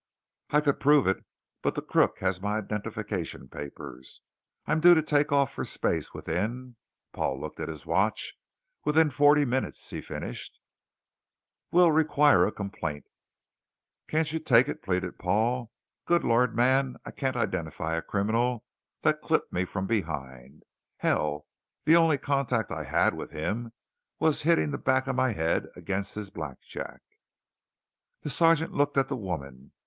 "I could prove it but the crook has my identification papers. I'm due to take off for space within " Paul looked at his watch "within forty minutes," he finished. "We'll require a complaint." "Can't you take it?" pleaded Paul. "Good Lord, man, I can't identify a criminal that clipped me from behind. Hell, the only contact I had with him was hitting the back of my head against his blackjack." The sergeant looked at the woman.